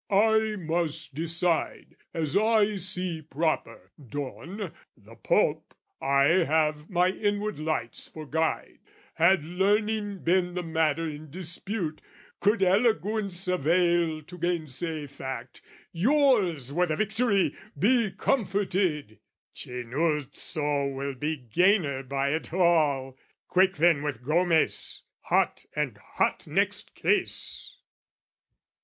"'I must decide as I see proper, Don! "'The Pope, I have my inward lights for guide, "'Had learning been the matter in dispute, "'Could eloquence avail to gainsay fact, "'Yours were the victory, be comforted!' "Cinuzzo will be gainer by it all. "Quick then with Gomez, hot and hot next case!"